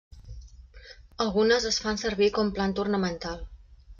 Algunes es fan servir com planta ornamental.